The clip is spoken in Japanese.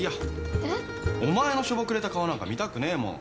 えっ？お前のしょぼくれた顔なんか見たくねえもん。